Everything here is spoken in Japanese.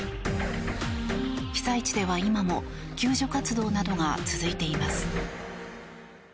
被災地では今も救助活動などが続いています。